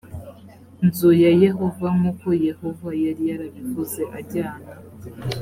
nzu ya yehova nk uko yehova yari yarabivuze ajyana